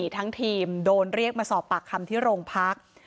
ทั้งทีมโสดไปสอบปากคำที่โรงพัก